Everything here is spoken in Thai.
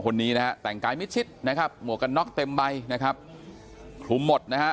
คนนี้นะฮะแต่งกายมิดชิดนะครับหมวกกันน็อกเต็มใบนะครับคลุมหมดนะฮะ